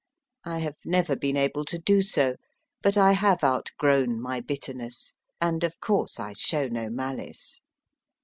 I have never been able to do so, but I have outgrown my bitterness, and, of course, I show no malice.